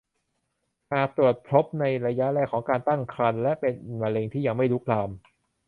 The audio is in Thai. หากตรวจพบในระยะแรกของการตั้งครรภ์ และเป็นมะเร็งที่ยังไม่ลุกลาม